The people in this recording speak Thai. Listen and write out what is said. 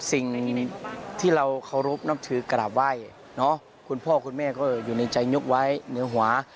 สิ่งที่เราเคารพนับถือกราบไหว้เนาะคุณพ่อคุณแม่ก็อยู่ในใจนึกไว้เหนือหัว